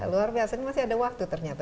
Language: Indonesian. luar biasa ini masih ada waktu ternyata